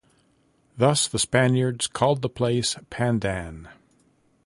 Thus, the Spaniards called the place Pandan.